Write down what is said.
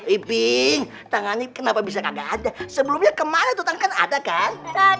iping tangan kenapa bisa kagak ada sebelumnya kemarin ada kan